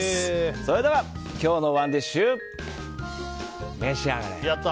それでは今日のＯｎｅＤｉｓｈ召し上がれ。